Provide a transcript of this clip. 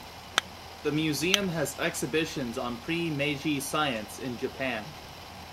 The museum has exhibitions on pre-Meiji science in Japan.